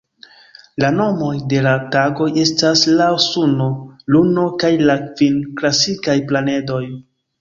La nomoj de la tagoj estas laŭ suno, luno kaj la kvin klasikaj planedoj.